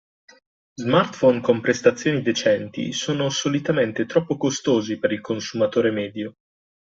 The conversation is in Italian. Smartphone con prestazioni decenti sono solitamente troppo costosi per il consumatore medio.